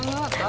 ini rp lima